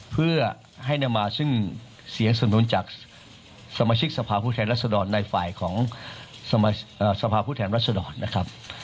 เพื่อให้นำมาซึ่งเสียงสนุนจากสมาชิกสภาพผู้แทนรัศดรในฝ่ายของสภาพผู้แทนรัศดรนะครับ